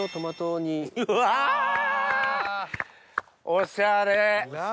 おしゃれ！